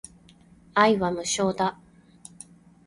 愛は無償だ